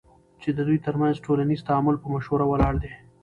چی ددوی ترمنځ ټولنیز تعامل په مشوره ولاړ دی،